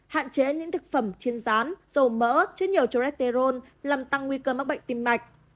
hạn chế những thực phẩm chiên rán dầu mỡ chứa nhiều cholesterol làm tăng nguy cơ mắc bệnh tim mạch